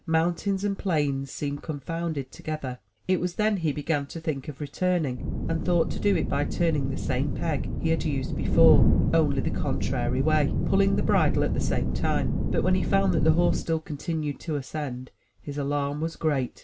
Mountains and plains seemed confounded to gether. It was then he began to think of returning, and thought to do it by turning the same peg he had used before, only the contrary way, pulling the bridle at the same time. But when he found that the horse still continued to ascend, his alarm was great.